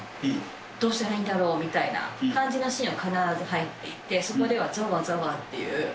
どうしたらいいんだろうみたいな感じのシーンが必ず入っていて、そこではざわざわっていう。